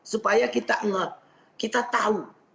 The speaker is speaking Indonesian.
supaya kita tahu